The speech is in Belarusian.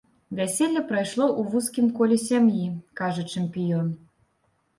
Вяселле прайшло ў вузкім коле сям'і, кажа чэмпіён.